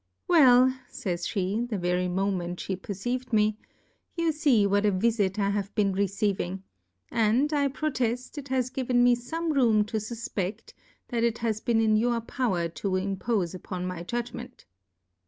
Well ! jajs pe, the very Moment flie perceived. me, you fee what a Vifit I have been receiving ; a.nd, I proteft, it has given me fome room to fufpetl that it has been in your Pov/er to impofe upon my Judgment.